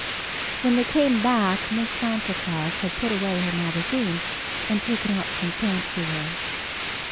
When they came back Miss Santa Claus had put away her magazine and taken out some fancy work.